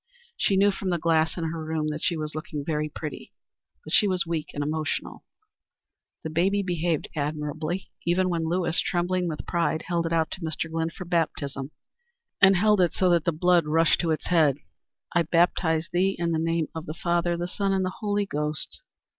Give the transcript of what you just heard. She knew from the glass in her room that she was looking very pretty. But she was weak and emotional. The baby behaved admirably, even when Lewis, trembling with pride, held it out to Mr. Glynn for baptism and held it so that the blood rushed to its head. "I baptize thee in the name of the Father, the Son, and the Holy Ghost."